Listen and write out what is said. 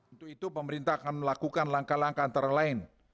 untuk itu pemerintah akan melakukan langkah langkah antara lain